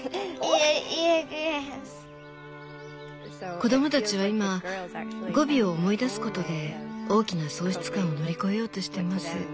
子供たちは今ゴビを思い出すことで大きな喪失感を乗り越えようとしています。